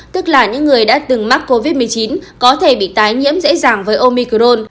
tức là những người đã từng mắc covid một mươi chín có thể bị tái nhiễm dễ dàng với omicrone